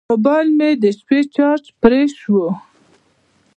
موبایل مې د شپې چارج پرې شو.